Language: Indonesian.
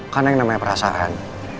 karena yang namanya perasaan